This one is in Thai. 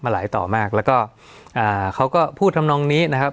แล้วก็เขาก็พูดธรรมนองนี้นะครับ